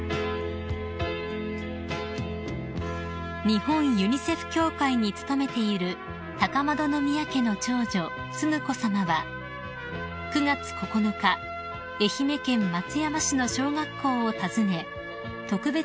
［日本ユニセフ協会に勤めている高円宮家の長女承子さまは９月９日愛媛県松山市の小学校を訪ね特別授業を行われました］